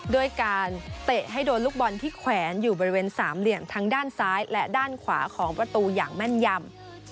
ด้วยการเตะให้โดนลูกบอลที่แขวนอยู่บริเวณสามเหลี่ยมทั้งด้านซ้ายและด้านขวาของประตูอย่างแม่นยำ